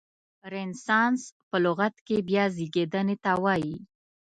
رنسانس په لغت کې بیا زیږیدنې ته وایي.